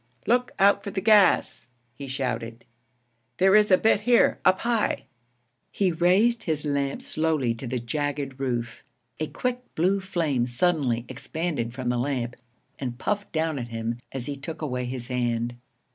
'Look out for the gas!' he shouted. 'There is a bit here, up high.' He raised his lamp slowly to the jagged roof. A quick blue flame suddenly expanded from the lamp and puffed down at him as he took away his hand.